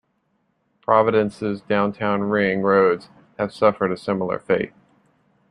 Providence's Downtown Ring Roads have suffered a similar fate.